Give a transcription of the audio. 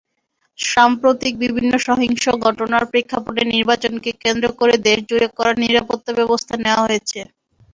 সাম্প্রতিক বিভিন্ন সহিংস ঘটনার প্রেক্ষাপটে নির্বাচনকে কেন্দ্র করে দেশজুড়ে কড়া নিরাপত্তাব্যবস্থা নেওয়া হয়েছে।